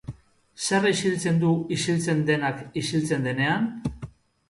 Zer ixiltzen du ixiltzen denak ixiltzen denean?